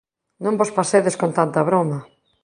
Non vos pasedes con tanta broma.